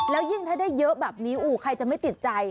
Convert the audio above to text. แล้วยิ่งถ้าได้เยอะแบบนี้ใครจะไม่ติดใจ